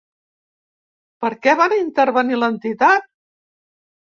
Per què van intervenir l'entitat?